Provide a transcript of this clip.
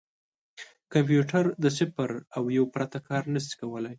کمپیوټر د صفر او یو پرته کار نه شي کولای.